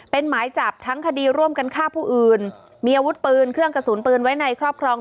เป็นหมายจับทั้งคดีร่วมกันฆ่าผู้อื่นมีอาวุธปืนเครื่องกระสุนปืนไว้ในครอบครอง